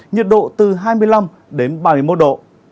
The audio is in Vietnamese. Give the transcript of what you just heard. nhiệt độ từ hai mươi năm đến ba mươi một độ